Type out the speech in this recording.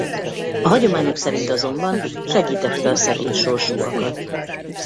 A hagyományok szerint azonban segítette a szegény sorsúakat.